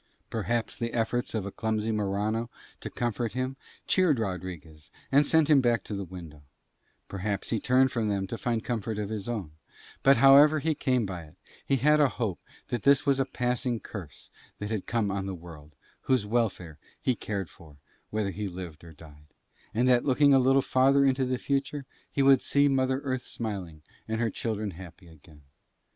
Perhaps the efforts of poor clumsy Morano to comfort him cheered Rodriguez and sent him back to the window, perhaps he turned from them to find comfort of his own; but, however he came by it, he had a hope that this was a passing curse that had come on the world, whose welfare he cared for whether he lived or died, and that looking a little farther into the future he would see Mother Earth smiling and her children happy again.